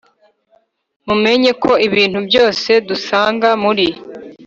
mumenye ko ibintu byose dusanga muri